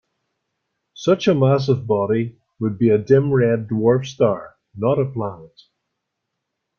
Such a massive body would be a dim red dwarf star, not a planet.